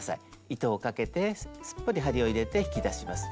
糸をかけてすっぽり針を入れて引き出します。